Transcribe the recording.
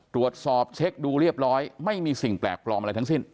ตรวจสอบเช็คดูเรียบร้อยไม่มีสิ่งแปลกปลอมอะไรทั้งสิ้น